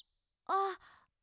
あっ。